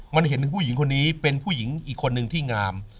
มันเห็นผู้หญิงคนนี้เป็นผู้หญิงอีกคนนึงที่งาม